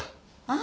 あ。